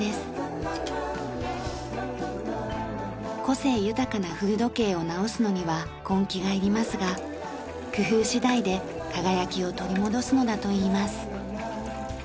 個性豊かな古時計を直すのには根気が要りますが工夫次第で輝きを取り戻すのだといいます。